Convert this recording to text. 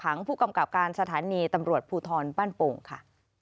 ขังผู้กำกับการสถานีตำรวจภูทรบ้านโป่งค่ะ